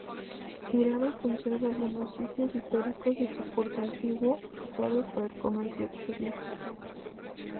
Hirado conserva algunos sitios históricos de su puerto antiguo usados para el comercio exterior.